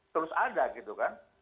terus ada gitu kan